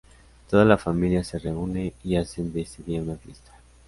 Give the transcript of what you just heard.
Toda la familia se reúne y hacen de ese día una fiesta.